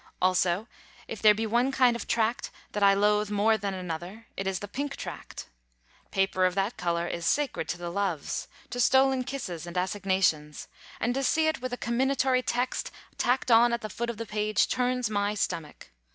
Also, if there be one kind of Tract that I loathe more than another, it is the Pink Tract. Paper of that colour is sacred to the Loves to stolen kisses and assignations and to see it with a comminatory text tacked on at the foot of the page turns my stomach.